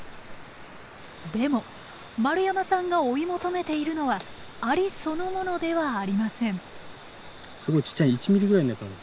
でも丸山さんが追い求めているのはアリそのものではありません。